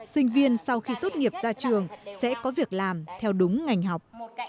sinh viên sau khi tốt nghiệp ra trường sẽ có việc làm theo đúng ngành học